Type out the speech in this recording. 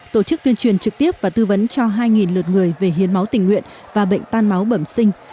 tổ chức tuyên truyền trực tiếp và tư vấn cho hai lượt người về hiến máu tình nguyện và bệnh tan máu bẩm sinh